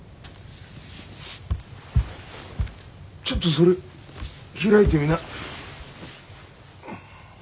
ちょっとそれ開いてみな。